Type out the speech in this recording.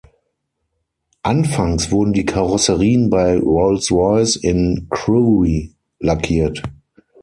Anfangs wurden die Karosserien bei Rolls Royce in Crewe lackiert.